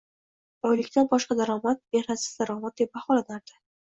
Oylikdan boshqa daromad mehnatsiz daromad, deb baholanardi.